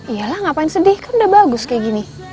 iyalah ngapain sedih kan udah bagus kayak gini